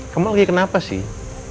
kamu lagi kenapa sih